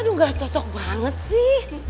aduh gak cocok banget sih